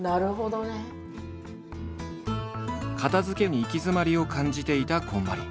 片づけに行き詰まりを感じていたこんまり。